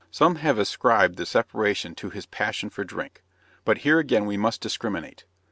Some have ascribed the separation to his passion for drink; but here again we must discriminate.